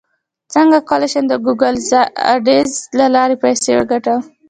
څنګه کولی شم د ګوګل اډز له لارې پیسې وګټم